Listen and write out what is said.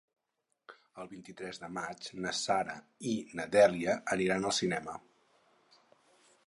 El vint-i-tres de maig na Sara i na Dèlia aniran al cinema.